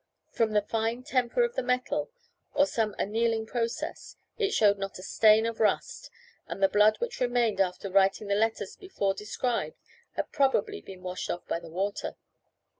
From the fine temper of the metal, or some annealing process, it showed not a stain of rust, and the blood which remained after writing the letters before described had probably been washed off by the water.